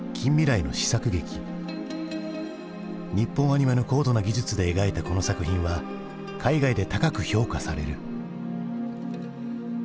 日本アニメの高度な技術で描いたこの作品は海外で高く評価される。